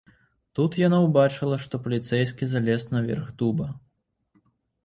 Тут яна ўбачыла, што паліцэйскі залез на верх дуба.